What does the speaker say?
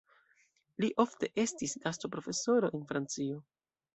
Li ofte estis gastoprofesoro en Francio.